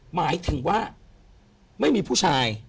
หมายถึงว่าไม่มีผู้ชาย